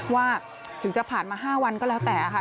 ว่าถึงจะผ่านมา๕วันก็แล้วแต่ค่ะ